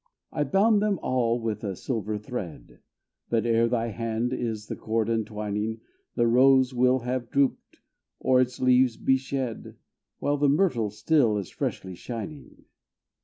I bound them about with a silver thread; But, ere thy hand is the cord untwining, The rose will have drooped, or its leaves be shed, While the myrtle still is freshly shining.